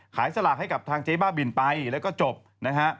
สลากให้กับทางเจ๊บ้าบินไปแล้วก็จบนะฮะ